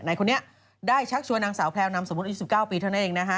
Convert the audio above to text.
ในคนนี้ได้ชักชัวร์นางสาวแพลวนำสมมุติ๒๙ปีเท่านั้นเอง